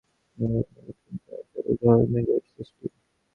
অতএব অদ্বৈতবাদী বলেন দ্বৈতবাদীর কথা সত্য বটে, কিন্তু ঐ-সকল তাহার নিজেরই সৃষ্টি।